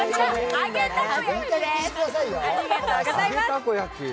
揚げたこ焼きです。